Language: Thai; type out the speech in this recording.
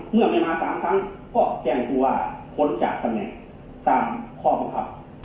เมื่อไม่มา๓ครั้งก็แจงทัวร์พ้นจากทะแม่ตามข้อมังคำ